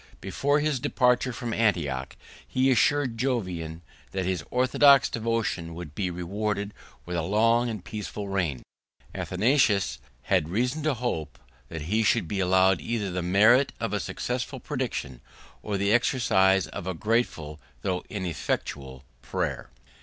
Before his departure from Antioch, he assured Jovian that his orthodox devotion would be rewarded with a long and peaceful reign. Athanasius, had reason to hope, that he should be allowed either the merit of a successful prediction, or the excuse of a grateful though ineffectual prayer.